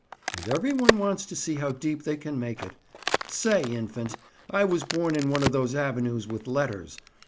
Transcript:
And every one wants to see how deep they can make it. Say, Infant, I was born in one of those avenues with letters.